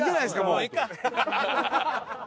もういいか。